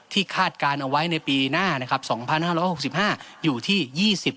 ที่คาดการณ์เอาไว้ในปีหน้านะครับสองพันห้าร้อยหกสิบห้าอยู่ที่ยี่สิบ